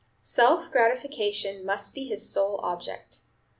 Self gratification must be his sole object.